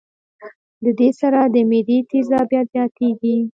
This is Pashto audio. د دې سره د معدې تېزابيت زياتيږي